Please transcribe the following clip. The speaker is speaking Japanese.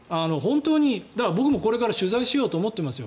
僕もこれから取材しようと思っていますよ